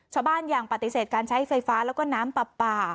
ชาวบ้านยังปฏิเสธการใช้ไฟฟ้าแล้วก็น้ำปลา